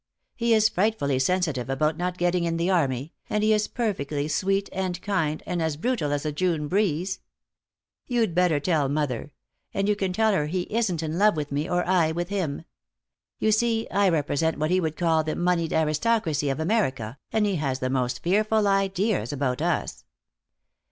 He is frightfully sensitive about not getting in the army, and he is perfectly sweet and kind, and as brutal as a June breeze. You'd better tell mother. And you can tell her he isn't in love with me, or I with him. You see, I represent what he would call the monied aristocracy of America, and he has the most fearful ideas about us."